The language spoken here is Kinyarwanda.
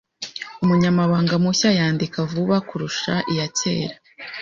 Umunyamabanga mushya yandika vuba kurusha iyakera.